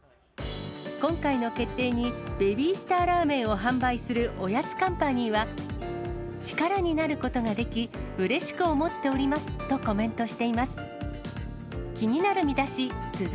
今回の決定に、ベビースターラーメンを販売するおやつカンパニーは、力になることができ、うれしく思っておりますとコメントしています。